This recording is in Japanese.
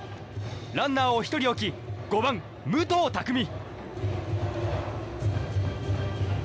ランナーを１人置き５番、武藤匠海。